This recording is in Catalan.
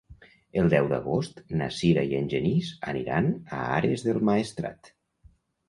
El deu d'agost na Sira i en Genís aniran a Ares del Maestrat.